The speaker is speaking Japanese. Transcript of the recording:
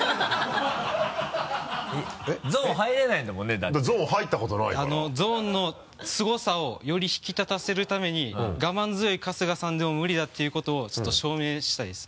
だってゾーン入ったことないからゾーンのすごさをより引き立たせるために我慢強い春日さんでも無理だということをちょっと証明したいです。